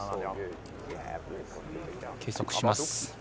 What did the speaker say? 計測します。